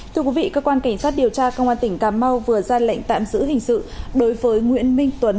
thưa quý vị cơ quan cảnh sát điều tra công an tỉnh cà mau vừa ra lệnh tạm giữ hình sự đối với nguyễn minh tuấn